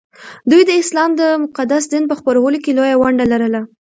دوی د اسلام د مقدس دین په خپرولو کې لویه ونډه لرله